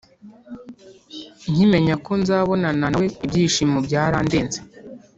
nkimenya ko nzabonana nawe ibyishimo byarandenze